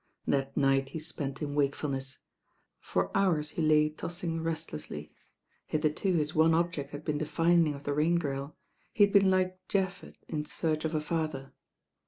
That night he spent in wakefulness. For hours he lay tossing restlessly. Hitherto his one object had been the finding of the Rain Girl. He had been like Japheth in search of a father.